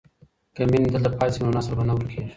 که میندې دلته پاتې شي نو نسل به نه ورکيږي.